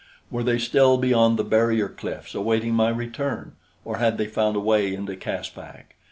Were they still beyond the barrier cliffs, awaiting my return? Or had they found a way into Caspak?